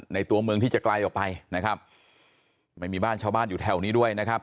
ตัวเมืองที่จะไกลออกไปนะครับไม่มีบ้านชาวบ้านอยู่แถวนี้ด้วยนะครับ